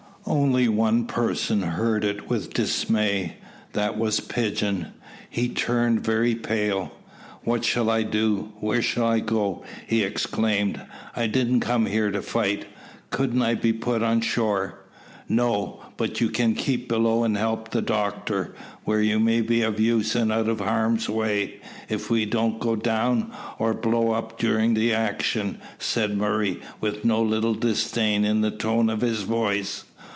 Only one person heard it with dismay. That was Pigeon. He turned very pale. "What shall I do? Where shall I go?" he exclaimed. "I didn't come here to fight. Couldn't I be put on shore?" "No, but you can keep below and help the doctor, where you may be of use and out of harm's way, if we don't go down, or blow up during the action," said Murray, with no little disdain in the tone of his voice.